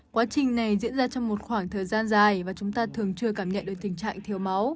quá trình này diễn ra trong một khoảng thời gian dài và chúng ta thường chưa cảm nhận được tình trạng thiếu máu